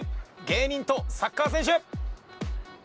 芸人とサッカー選手。